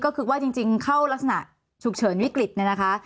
ก็คือว่าจริงเข้ารักษณะฉุกเฉินวิกฤตเนี่ยนะคะ